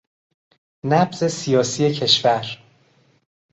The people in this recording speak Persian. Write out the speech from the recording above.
نبض سیاسی کشور